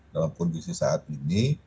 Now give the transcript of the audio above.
dalam kondisi saat ini